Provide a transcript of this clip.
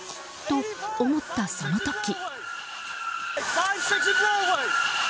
と思った、その時。